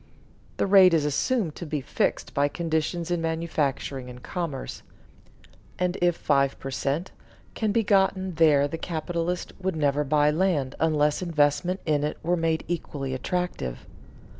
The rate is assumed to be fixed by conditions in manufacturing and commerce, and if five per cent, can be gotten there the capitalist would never buy land unless investment in it were made equally attractive.